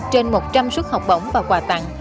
trên một trăm linh suất học bổng và quà tặng